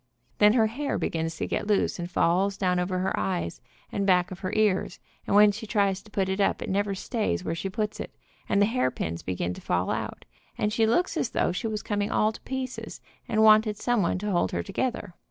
Then her hair begins to get loose, and falls down over her eyes, and back of her ears, and when she tries to put it up it never stays where she puts it, and the hairpins begin to fall out, and she looks as though she was coming all to pieces, and wanted someone to hold her together.